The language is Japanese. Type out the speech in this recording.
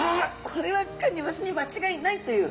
これはクニマスに間違いないという。